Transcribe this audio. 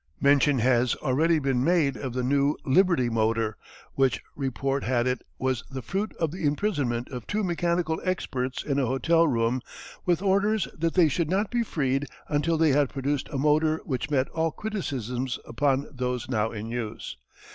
Mention has already been made of the new "Liberty" motor, which report had it was the fruit of the imprisonment of two mechanical experts in a hotel room with orders that they should not be freed until they had produced a motor which met all criticisms upon those now in use.